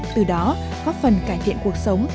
từ đó góp phần cải thiện cuộc sống